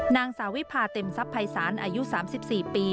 นางสาวิพาเต็มทรัพย์ภัยศาลอายุ๓๔ปี